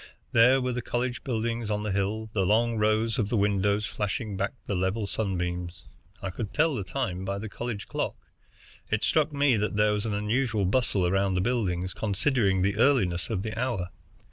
There were the college buildings on the hill, the long rows of windows flashing back the level sunbeams. I could tell the time by the college clock. It struck me that there was an unusual bustle around the buildings, considering the earliness of the hour.